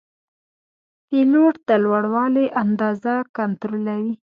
پیلوټ د لوړوالي اندازه کنټرولوي.